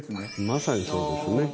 まさにそうですね。